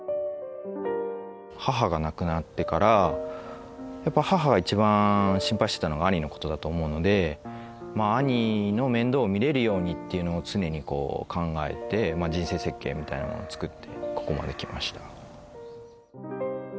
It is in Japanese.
母が亡くなってからやっぱり母が一番心配していたのが兄のことだと思うので兄の面倒を見られるようにっていうのを常に考えて人生設計みたいなものを作ってここまできました。